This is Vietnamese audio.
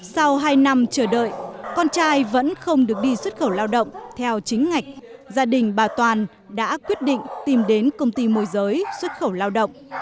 sau hai năm chờ đợi con trai vẫn không được đi xuất khẩu lao động theo chính ngạch gia đình bà toàn đã quyết định tìm đến công ty môi giới xuất khẩu lao động